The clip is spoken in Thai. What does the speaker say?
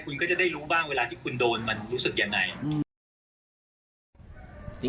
คุณก็จะได้รู้บ้างเวลาที่คุณโดนมันรู้สึกยังไง